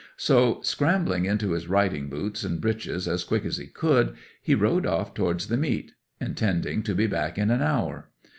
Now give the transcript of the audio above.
So, scrambling into his riding boots and breeches as quick as he could, he rode off towards the meet, intending to be back in an hour.